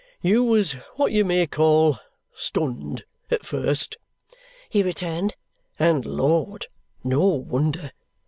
"You was what you may call stunned at first," he returned; "and Lord, no wonder!